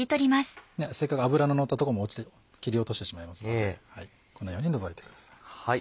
せっかく脂ののった所も切り落としてしまいますのでこのように除いてください。